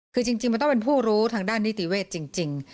คือจริงมันต้องเป็นผู้รู้ทางด้านนิติเวศจริง